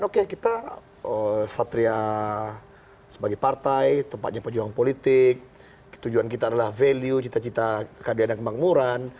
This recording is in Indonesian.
oke kita satria sebagai partai tempatnya pejuang politik tujuan kita adalah value cita cita keadilan dan kemakmuran